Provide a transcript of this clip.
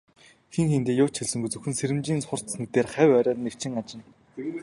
Хэн хэндээ юу ч хэлсэнгүй, зөвхөн сэрэмжийн хурц нүдээр хавь ойроо нэвчин ажна.